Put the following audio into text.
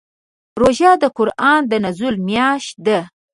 روژه د قران د نزول میاشت ده.